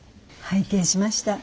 拝見しました。